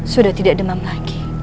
sudah tidak demam lagi